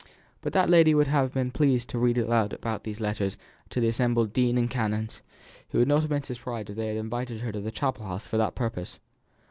But that lady would have been pleased to read aloud these letters to the assembled dean and canons, and would not have been surprised if they had invited her to the chapter house for that purpose.